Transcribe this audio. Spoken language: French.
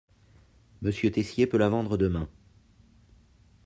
Monsieur Teissier peut la vendre demain.